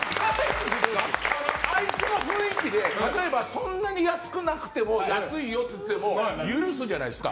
あいつの雰囲気で例えば、そんなに安くなくても安いよって言っても許すじゃないですか。